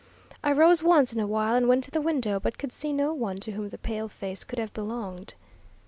I rose once in a while and went to the window, but could see no one to whom the pale face could have belonged.